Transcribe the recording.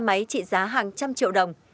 máy trị giá hàng trăm triệu đồng